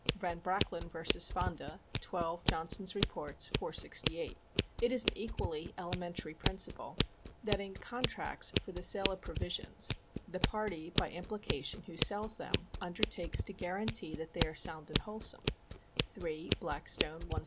Van Brachlin vs. Fonda, 12 Johnson's Eeports, 468. It is an equally elementary principle that in contracts for the sale of provisions the party, by implication, who sells them, undertakes to guaran tee that they are sound and wholesome, 3 Blackstone, 165.